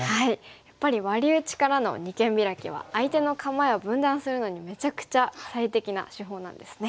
やっぱりワリ打ちからの二間ビラキは相手の構えを分断するのにめちゃくちゃ最適な手法なんですね。